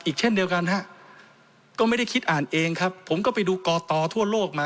เช่นเดียวกันฮะก็ไม่ได้คิดอ่านเองครับผมก็ไปดูกตทั่วโลกมา